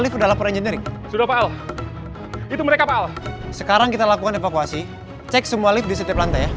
lalu itu dia sekarang kita lakukan observasi cek semua ini di situ kayaknya